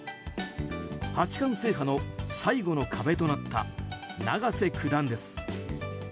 八冠制覇の最後の壁となった永瀬九段です。